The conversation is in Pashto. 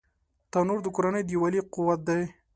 تنور د کورنۍ د یووالي قوت دی